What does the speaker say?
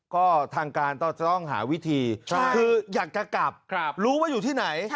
ก็ทางการก็จะต้องหาวิธีคืออยากจะกลับรู้ว่าอยู่ที่ไหน